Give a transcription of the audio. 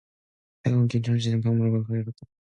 하여간 김첨지는 방문을 왈칵 열었다.